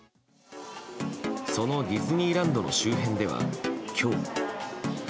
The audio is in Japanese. そのディズニーランドの周辺では今日。